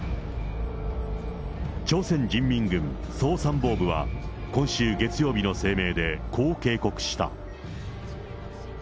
朝鮮人民軍総参謀部は、今週月曜日の声明で、こう警告した。